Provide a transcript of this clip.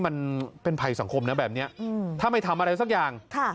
มันเป็นภัยสังคมนะแบบนี้ถ้าไม่ทำอะไรสักอย่าง